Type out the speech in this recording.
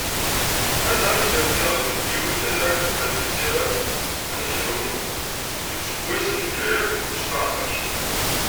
Anda i d-grent tiɣri tdukkliwin Adrar n Fad d Usirem n Krun deg useggas n zuǧ alaf u sbeεṭac.